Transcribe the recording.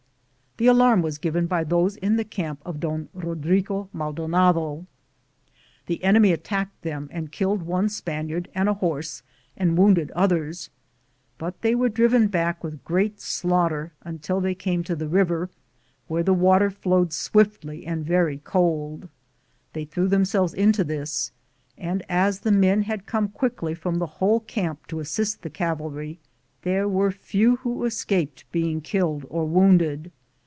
The alarm was given by those in the camp of Don Eodrigo Maldonado. The enemy at tacked them and killed one Spaniard and a horse and wounded others, but they were am Google THE JOURNEY OF CORONADO driven back with great slaughter until they came to the river, where the water flowed swiftly and very cold. They threw them selves into this, and as the men had coma quickly from the whole camp to assist the cavalry, there were few who escaped being killed or wounded.